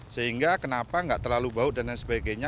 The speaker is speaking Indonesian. sehingga kenapa enggak terlalu bau dan sebagainya